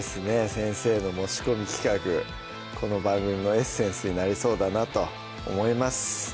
先生の持ち込み企画この番組のエッセンスになりそうだなと思います